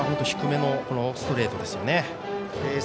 低めのストレートですね。